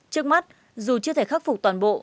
trước mắt dù chưa thể khắc phục toàn bộ